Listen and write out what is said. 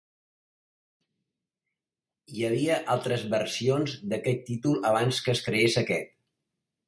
Hi havia altres versions d'aquest títol abans que es creés aquest.